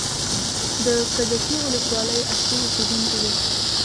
د کجکي ولسوالۍ اصلي اوسېدونکی دی.